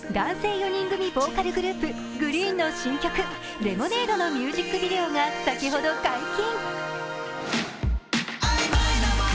４人組ボーカルグループ、グリーンの新曲「ｌｅｍｏｎａｄｅ」のミュージックビデオが先ほど解禁。